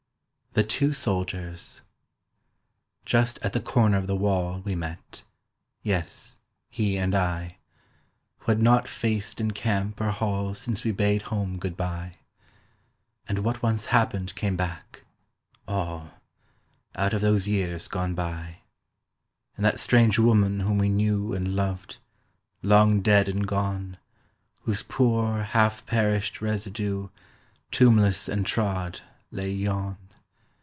THE TWO SOLDIERS JUST at the corner of the wall We met—yes, he and I— Who had not faced in camp or hall Since we bade home good bye, And what once happened came back—all— Out of those years gone by. And that strange woman whom we knew And loved—long dead and gone, Whose poor half perished residue, Tombless and trod, lay yon!